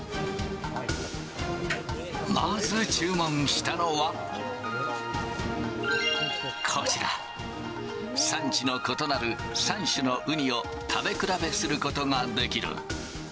まず注文したのは、こちら、産地の異なる３種のウニを食べ比べすることができる。